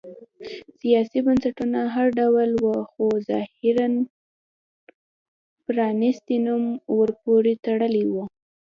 سیاسي بنسټونه که هر ډول و خو ظاهراً پرانیستی نوم ورپورې تړلی و.